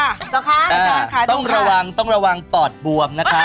ไม่พอค่ะต้องระวังต้องระวังปอดบวมนะคะ